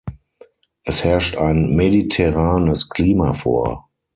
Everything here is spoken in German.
Es herrscht ein mediterranes Klima vor.